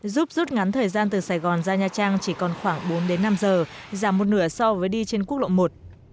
giúp rút ngắn thời gian từ sài gòn ra nha trang chỉ còn khoảng bốn đến năm giờ giảm một nửa so với đi trên quốc lộ một